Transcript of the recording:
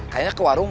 kayaknya ke warung